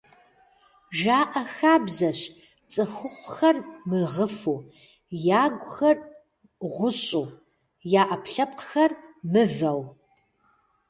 Жаӏэ хабзэщ цӏыхухъухэр мыгъыфу, ягухэр гъущӏу я ӏэпкълъэпкъхэр мываэу…